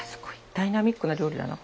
ダイナミックな料理だな。